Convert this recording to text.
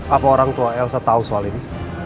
apa orang tua elsa tahu soal ini